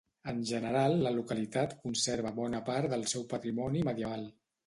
En general la localitat conserva bona part del seu patrimoni medieval.